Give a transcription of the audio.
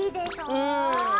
うん。